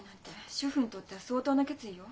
主婦にとっては相当な決意よ。